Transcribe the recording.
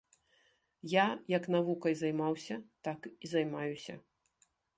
Я як навукай займаўся, так і займаюся.